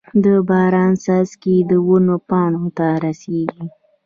د باران څاڅکي د ونو پاڼو ته رسيږي.